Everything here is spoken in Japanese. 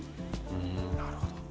うんなるほど。